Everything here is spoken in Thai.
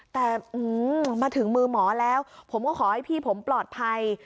แต่มาถึงมือหมอแล้วผมก็ขอให้พี่ผมปลอดภัย